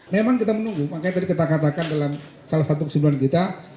memang kita menunggu makanya tadi kita katakan dalam salah satu kesimpulan kita